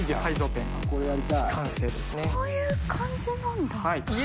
こういう感じなんだ。